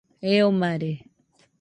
Eo mare